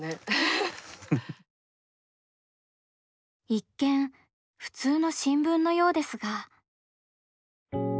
一見普通の新聞のようですが。